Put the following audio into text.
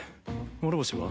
諸星は？